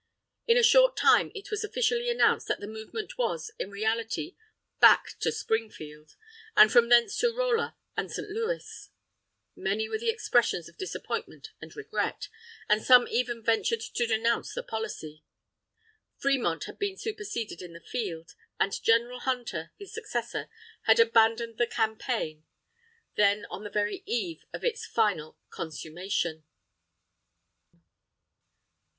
In a short time it was officially announced that the movement was, in reality, back to Springfield, and from thence to Rolla and St. Louis. Many were the expressions of disappointment and regret, and some even ventured to denounce the policy. Fremont had been superseded in the field, and General Hunter, his successor, had abandoned the campaign, then on the very eve of its final consummation.